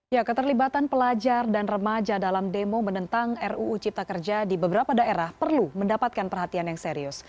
ya keterlibatan pelajar dan remaja dalam demo menentang ruu cipta kerja di beberapa daerah perlu mendapatkan perhatian yang serius